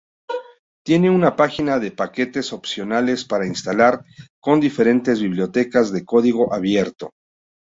Tiene una página de paquetes opcionales para instalar, con diferentes bibliotecas de código abierto.